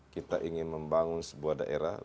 kita ingin membangun sebuah daerah